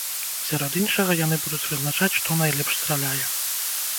Сярод іншага, яны будуць вызначаць, што найлепш страляе.